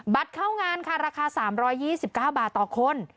บัตรเข้างานค่ะราคาสามร้อยยี่สิบเก้าบาทต่อคน